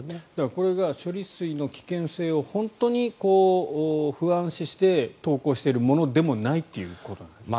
これが処理水の危険性を本当に不安視して投稿しているものでもないということなんですね。